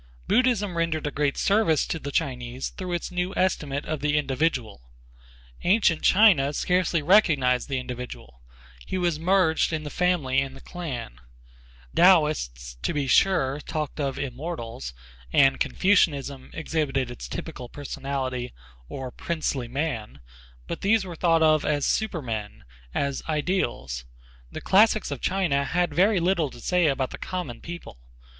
Buddhism rendered a great service to the Chinese through its new estimate of the individual. Ancient China scarcely recognized the individual. He was merged in the family and the clan. Taoists, to be sure, talked of "immortals" and Confucianism exhibited its typical personality, or "princely man," but these were thought of as supermen, as ideals. The classics of China had very little to say about the common people.